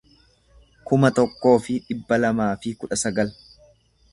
kuma tokkoo fi dhibba lamaa fi kudha sagal